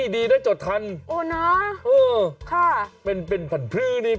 นี่ไง